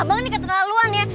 abang ini keterlaluan ya